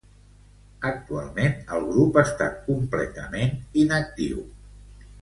Actualment el grup està completament inactiu.